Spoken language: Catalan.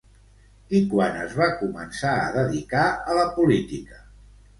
I quan es va començar a dedicar a la política?